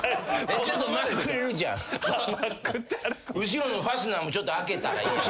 後ろのファスナーもちょっと開けたらええやんか。